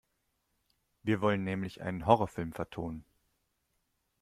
Wir wollen nämlich einen Horrorfilm vertonen.